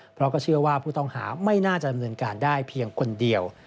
เพราะก็เชื่อว่าผู้ต้องหาไม่น่าจะดำเนินการได้เพียงคนเดียว